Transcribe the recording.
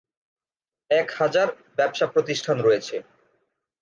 এক হাজার ব্যবসা প্রতিষ্ঠান রয়েছে।